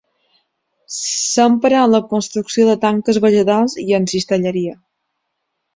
S'empra en la construcció de tanques vegetals i en cistelleria.